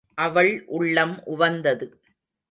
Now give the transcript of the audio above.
அவள் உள்ளம் உவந்தது.